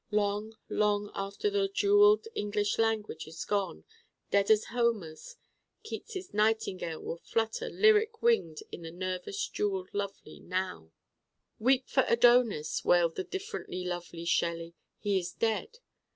Long, long after the jeweled English language is gone, dead as Homer's, Keats's Nightingale will flutter lyric winged in the nervous jeweled lovely Now. 'Weep for Adonis,' wailed the differently lovely Shelley, 'he is dead.